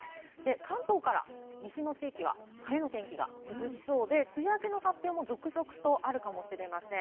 関東から西の地域は晴れの天気が続きそうで、梅雨明けの発表も続々とあるかもしれません。